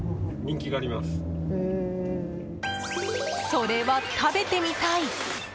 それは食べてみたい！